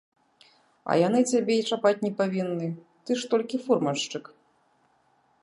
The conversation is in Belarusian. А яны цябе і чапаць не павінны, ты ж толькі фурманшчык.